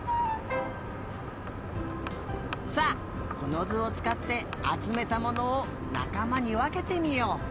さあこのずをつかってあつめたものをなかまにわけてみよう。